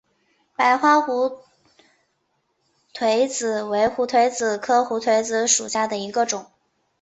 白花胡颓子为胡颓子科胡颓子属下的一个种。